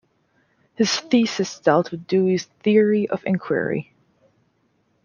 His thesis dealt with Dewey's theory of inquiry.